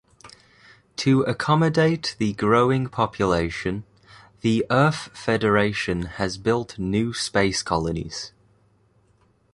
To accommodate the growing population, the Earth Federation has built new space colonies.